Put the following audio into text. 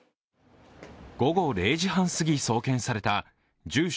午後０時半すぎ送検された住所